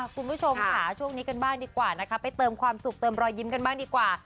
คุณผู้ชมค่ะช่วงนี้กันบ้างดีกว่านะคะไปเติมความสุขเติมรอยยิ้มกันบ้างดีกว่า